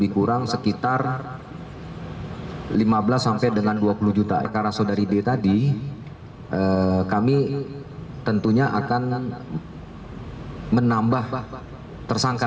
kurang sekitar lima belas sampai dengan dua puluh juta karasodari d tadi kami tentunya akan menambah tersangka